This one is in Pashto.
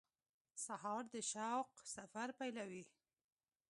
سهار د شوق سفر پیلوي.